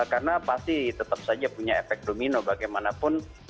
karena pasti tetap saja punya efek domino bagaimanapun